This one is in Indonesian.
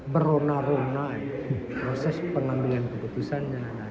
berona rona proses pengambilan keputusannya